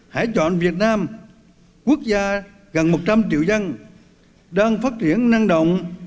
hãy chọn việt nam quốc gia gần một trăm linh triệu dân đang phát triển năng động